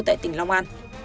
tại tỉnh long an